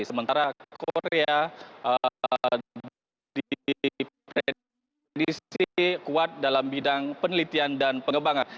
sementara korea diprediksi kuat dalam bidang penelitian dan pengembangan